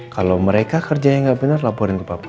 kalau mereka kerjanya gak benar laporin ke papa